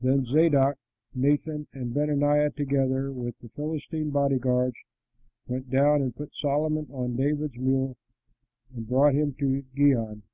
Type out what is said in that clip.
Then Zadok, Nathan, and Benaiah together with the Philistine body guards, went down and put Solomon on David's mule and brought him to Gihon.